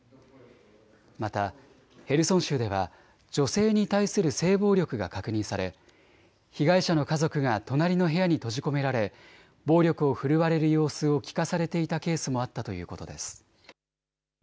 またヘルソン州では女性に対する性暴力が確認され被害者の家族が隣の部屋に閉じ込められ暴力を振るわれる様子を聞かされていたケースもあったということです。